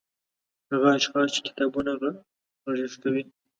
هغه اشخاص چې کتابونه غږيز کوي